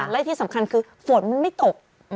และที่สำคัญคือฝนมันไม่ตก